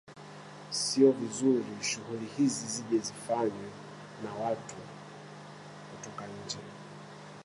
Sio vizuri shughuli hizi zije zifanywe na watu kutoka nje